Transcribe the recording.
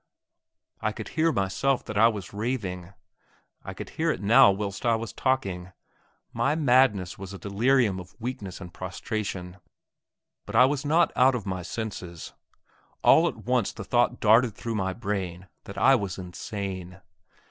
I could hear myself that I was raving. I could hear it now whilst I was talking. My madness was a delirium of weakness and prostration, but I was not out of my senses. All at once the thought darted through my brain that I was insane.